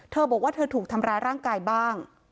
เธอบอกว่าเธอถูกทำร้ายร่างกายบ้าง